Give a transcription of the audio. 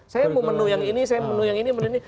saya mau menu yang ini saya menu yang ini menu ini